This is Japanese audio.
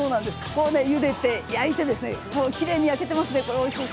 ゆでて焼いてきれいに焼けていますね。